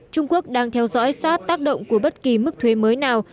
trung quốc đang theo dõi sát tác động của bất kỳ mức thuế mới nào